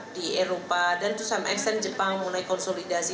di eropa dan to some extent jepang mulai konsolidasi